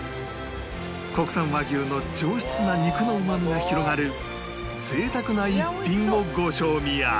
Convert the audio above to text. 国産和牛の上質な肉のうまみが広がる贅沢な逸品をご賞味あれ！